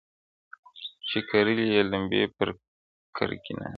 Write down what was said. چي كرلې يې لمبې پر ګرګينانو-